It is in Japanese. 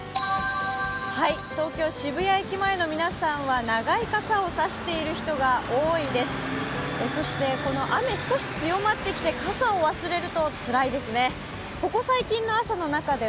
東京・渋谷駅前の皆さんは長い傘を差している人が多いです、そしてこの雨、少し強まってきて、今日の天気を教えて！